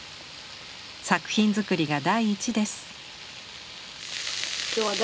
作品作りが第一です。